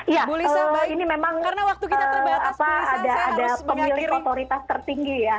ya ini memang ada pemilik otoritas tertinggi ya